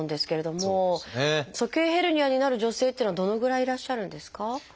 鼠径ヘルニアになる女性っていうのはどのぐらいいらっしゃるんですか？